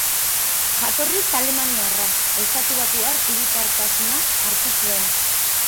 Jatorriz alemaniarra, estatubatuar hiritartasuna hartu zuen.